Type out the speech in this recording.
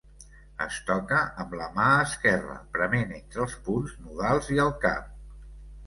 Es toca amb la mà esquerra prement entre els punts nodals i el cap.